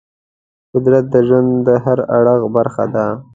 قدرت د ژوند د هر اړخ برخه ده.